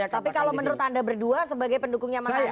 tapi kalau menurut anda berdua sebagai pendukungnya mas anies